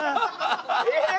えっ？